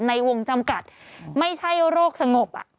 ในวงจำกัดไม่ใช่โรคสงบ